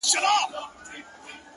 زه مي له ژونده په اووه قرآنه کرکه لرم’